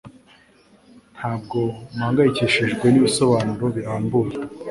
Ntabwo mpangayikishijwe nibisobanuro birambuye